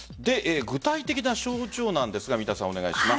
具体的な症状なんですが三田さん、お願いします。